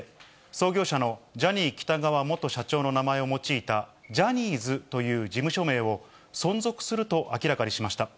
創業者のジャニー喜多川元社長の名前を用いたジャニーズという事務所名を、存続すると明らかにしました。